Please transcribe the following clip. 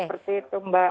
seperti itu mbak